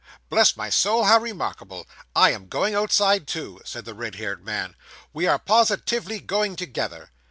'Bless my soul, how remarkable I am going outside, too,' said the red haired man; 'we are positively going together.